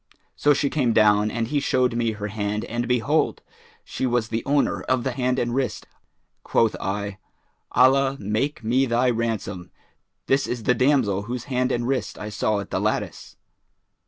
So she came down and he showed me her hand and behold, she was the owner of the hand and wrist. Quoth I, 'Allah make me thy ransom! this is the damsel whose hand and wrist I saw at the lattice.'